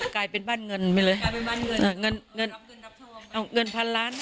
กลายเป็นบ้านเงินไปเลยกลายเป็นบ้านเงินอ่าเงินเงินทองเอาเงินพันล้าน